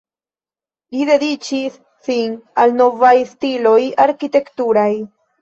Li dediĉis sin al novaj stiloj arkitekturaj.